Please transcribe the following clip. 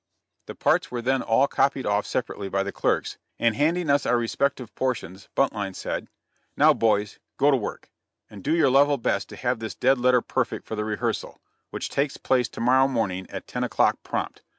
The parts were then all copied off separately by the clerks, and handing us our respective portions Buntline said: "Now, boys, go to work, and do your level best to have this dead letter perfect for the rehearsal, which takes place to morrow morning at ten o'clock, prompt.